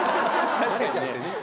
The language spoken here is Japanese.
確かにね。